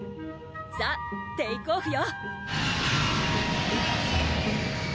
さぁテークオフよ